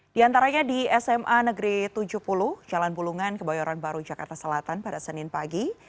di antaranya di sma negeri tujuh puluh jalan bulungan kebayoran baru jakarta selatan pada senin pagi